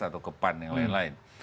atau ke pan yang lain lain